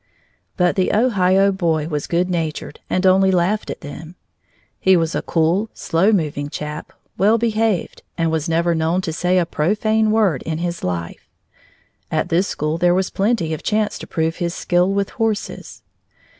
But the Ohio boy was good natured and only laughed at them. He was a cool, slow moving chap, well behaved, and was never known to say a profane word in his life. At this school there was plenty of chance to prove his skill with horses.